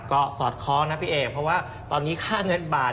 ก็สอดคล้องนะพี่เอกเพราะว่าตอนนี้ค่าเงินบาท